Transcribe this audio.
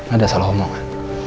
ada salah omongan